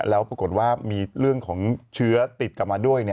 แล้วปรากฏว่ามีเรื่องของเชื้อติดกลับมาด้วย